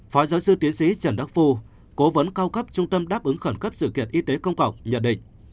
phó giáo sư tiến sĩ trần đắc phu cố vấn cao cấp trung tâm đáp ứng khẩn cấp sự kiện y tế công cộng nhận định